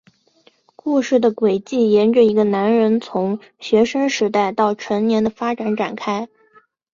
故事的轨迹沿着一个男人从学生时代到成年的发展展开。